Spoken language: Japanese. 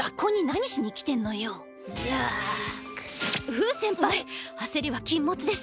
風先輩焦りは禁物です。